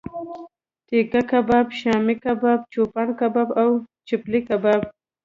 تیکه کباب، شامی کباب، چوپان کباب او چپلی کباب